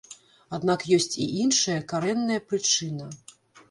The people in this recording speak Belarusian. Аднак ёсць і іншая, карэнная прычына.